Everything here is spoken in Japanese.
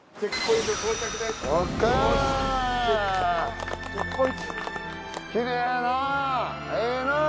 ええなぁ！